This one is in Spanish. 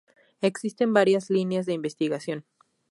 Existen varias líneas de investigación.